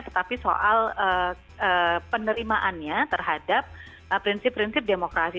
tetapi soal penerimaannya terhadap prinsip prinsip demokrasi